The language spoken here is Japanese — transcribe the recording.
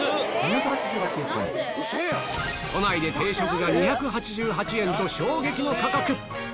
都内で定食が２８８円と衝撃の価格！